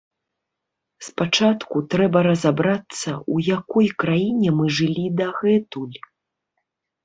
Спачатку трэба разабрацца, у якой краіне мы жылі дагэтуль.